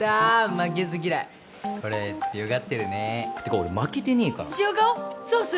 負けず嫌いこれ強がってるねてか俺負けてねえから塩顔？ソース？